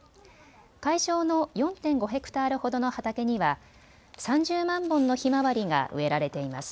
会場の４．５ヘクタールほどの畑には３０万本のひまわりが植えられています。